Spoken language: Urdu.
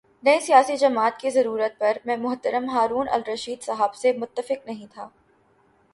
نئی سیاسی جماعت کی ضرورت پر میں محترم ہارون الرشید صاحب سے متفق نہیں تھا۔